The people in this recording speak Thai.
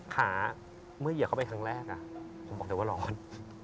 ขาเมื่อเหยียบเข้าไปครั้งแรกผมบอกเลยว่าร้อน